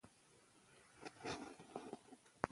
ماریا تل د خدای عبادت کوي او زغم لري.